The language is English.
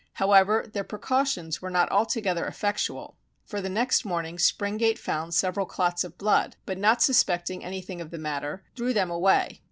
However, their precautions were not altogether effectual, for the next morning Springate found several clots of blood, but not suspecting anything of the matter, threw them away.